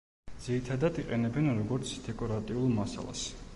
ძირითადად იყენებენ როგორც დეკორატიულ მასალას.